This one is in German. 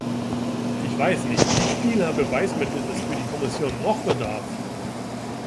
Ich weiß nicht, wie vieler Beweismittel es für die Kommission noch bedarf.